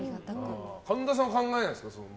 神田さんは考えないんですか。